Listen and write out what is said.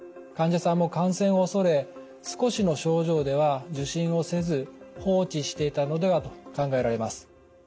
患者さんも感染を恐れ少しの症状では受診をせず放置していたのではと考えられます。